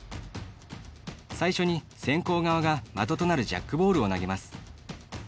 最初に、先攻側が的となるジャックボールを投げます。